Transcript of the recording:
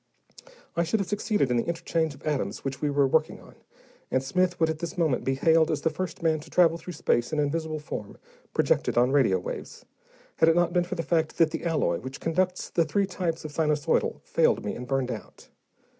I should have succeeded in the interchange of atoms which we were working on, and Smith would at this moment be hailed as the first man to travel through space in invisible form, projected on radio waves, had it not been for the fact that the alloy which conducts the three types of sinusoidal failed me and burned out.